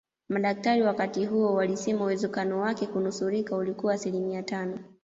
Madaktari wakati huo walisema uwezekano wake kunusurika ulikuwa asilimia tano